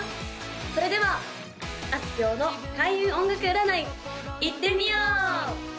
それではあすきょうの開運音楽占いいってみよう！